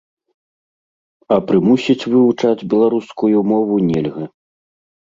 А прымусіць вывучаць беларускую мову нельга.